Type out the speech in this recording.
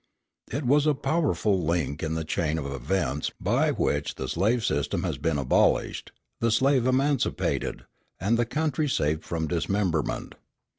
It was a powerful link in the chain of events by which the slave system has been abolished, the slave emancipated, and the country saved from dismemberment."